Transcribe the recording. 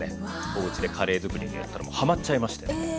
おうちでカレーづくりをやったらハマっちゃいましてね。